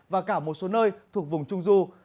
và cả một số nơi thuộc vùng trung du